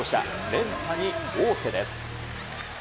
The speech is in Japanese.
連覇に王手です。